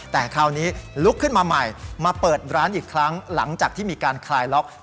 แต่คราวนี้ลุกขึ้นมาใหม่มาเปิดร้านอีกครั้งหลังจากที่มีการคลายล็อก